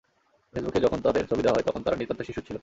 ফেসবুকে যখন তাদের ছবি দেওয়া হয়, তখন তারা নিতান্তই শিশু ছিল।